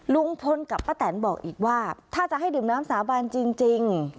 ลุงพลกับป้าแตนบอกอีกว่าถ้าจะให้ดื่มน้ำสาบานจริง